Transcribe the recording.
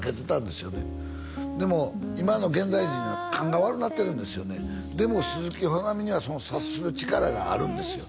今の現代人は勘が悪うなってるんですよねでも鈴木保奈美にはその察する力があるんですよ